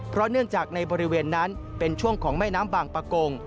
เพราะเนื่องจากในบริเวณนั้นเป็นช่วงของแม่น้ำบางประกง